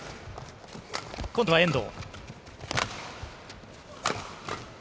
今度は遠藤。